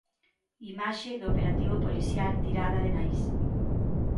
Imaxe do operativo policial tirada de Naiz.